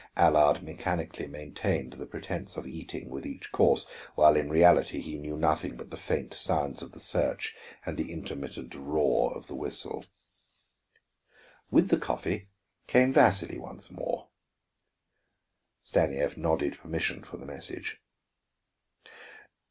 Allard mechanically maintained the pretense of eating with each course while in reality he knew nothing but the faint sounds of the search and the intermittent roar of the whistle. With the coffee came Vasili once more. Stanief nodded permission for the message.